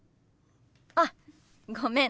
あごめん。